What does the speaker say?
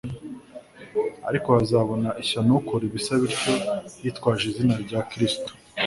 ariko hazabona ishyano ukora ibisa bityo yitwaje izina rya Kristo.